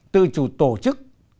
tự chủ tổ chức